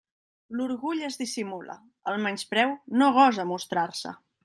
L'orgull es dissimula; el menyspreu no gosa mostrar-se.